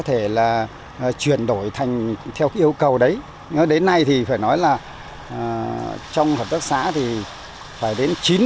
thể là chuyển đổi thành theo yêu cầu đấy nói đến nay thì phải nói là trong hợp tác xã thì phải đến